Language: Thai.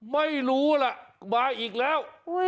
ไม่รู้ล่ะมาอีกแล้ว